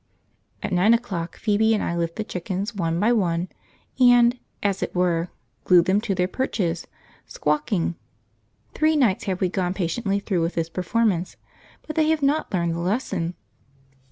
At nine o'clock Phoebe and I lift the chickens one by one, and, as it were, glue them to their perches, squawking. Three nights have we gone patiently through with this performance, but they have not learned the lesson.